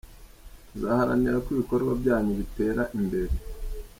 Tuzaharanira ko ibikorwa byanyu bitera imbere.